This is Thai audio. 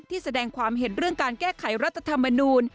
แสดงความเห็นเรื่องการแก้ไขรัฐธรรมนูล